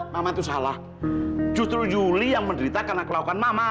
mama itu salah justru yuli yang menderita karena kelakuan mama